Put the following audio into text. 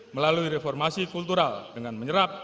melalui reformasi kultural dengan menyerapkan kepentingan